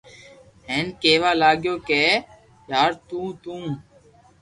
ھين ڪي ڪيوا لاگيو ڪي يار تو تو